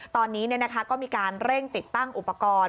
ตอนนี้ก็มีการเร่งติดตั้งอุปกรณ์